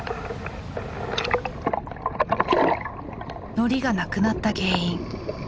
のりが無くなった原因。